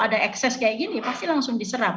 ada ekses kayak gini pasti langsung diserap